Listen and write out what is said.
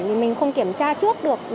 thì mình không kiểm tra trước được